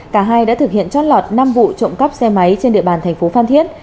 cả hai đã thực hiện trót lọt năm vụ trộm cắp xe máy trên địa bàn thành phố phan thiết